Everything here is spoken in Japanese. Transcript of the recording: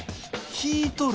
引いとる！